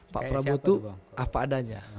pak prabowo itu apa adanya